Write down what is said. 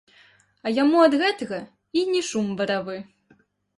А яму ад гэтага й не шум баравы.